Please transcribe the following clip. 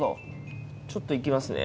ちょっといきますね。